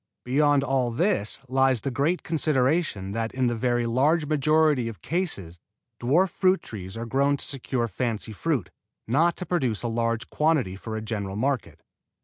Beyond all this lies the great consideration that in the very large majority of cases dwarf fruit trees are grown to secure fancy fruit, not to produce a large quantity for a general market.